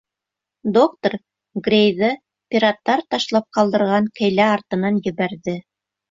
Доктор Грейҙы пираттар ташлап ҡалдырған кәйлә артынан ебәрҙе.